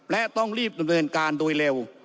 และต้องรีบดำเนินการโดยเร็ว